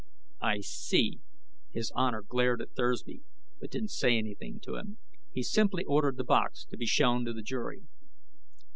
"I see." His honor glared at Thursby, but didn't say anything to him. He simply ordered the box to be shown to the jury.